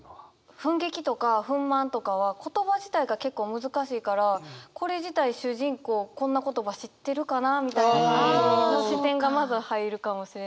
「憤激」とか「憤懣」とかは言葉自体が結構難しいからこれ自体主人公こんな言葉知ってるかなみたいな感じの視点がまず入るかもしれない。